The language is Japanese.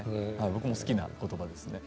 僕も好きな言葉ですね。